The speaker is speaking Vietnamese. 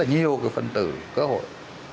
rất là nhiều cái phân tử cơ hội